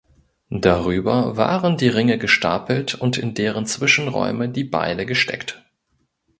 Darüber waren die Ringe gestapelt und in deren Zwischenräume die Beile gesteckt.